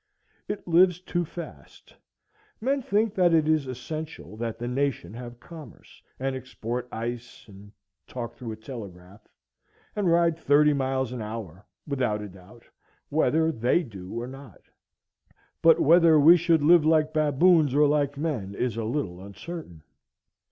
It lives too fast. Men think that it is essential that the Nation have commerce, and export ice, and talk through a telegraph, and ride thirty miles an hour, without a doubt, whether they do or not; but whether we should live like baboons or like men, is a little uncertain.